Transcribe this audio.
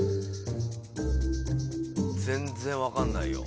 全然分かんないよ。